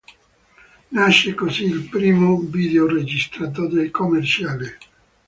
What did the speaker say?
Nasce così il primo videoregistratore commerciale.